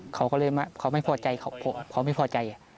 เขาก็เลยเขาไม่พอใจเขาไม่พอใจ